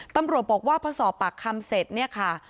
ตำรวจบอกว่าพอสอบปากคำเสร็จเนี่ยค่ะ